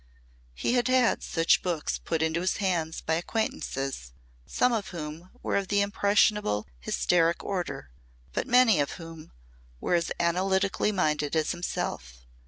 He had had such books put into his hands by acquaintances, some of whom were of the impressionable hysteric order, but many of whom were as analytically minded as himself.